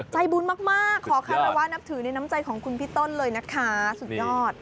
ใจบุญมากขอคารวะนับถือในน้ำใจของคุณพี่ต้นเลยนะคะสุดยอด